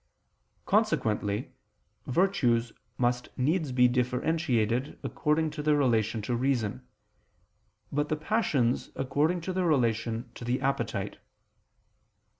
Consequently virtues must needs be differentiated according to their relation to reason, but the passions according to their relation to the appetite.